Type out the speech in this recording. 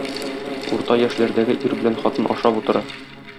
Урта яшьләрдәге ир белән хатын ашап утыра.